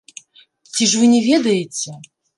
Ці ж вы не ведаеце?